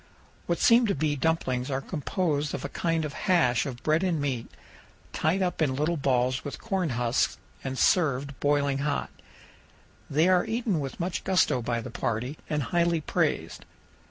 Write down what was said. What seem to be dumplings are composed of a kind of hash of bread and meat, tied up in little balls with cornhusks and served boiling hot. They are eaten with much gusto by the party and highly praised.